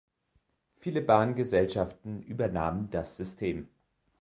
Viele Bahngesellschaften übernahmen das System.